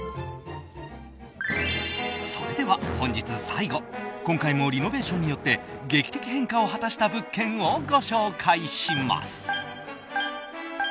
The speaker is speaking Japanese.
それでは、本日最後今回もリノベーションによって劇的変化を果たした物件をご紹介します。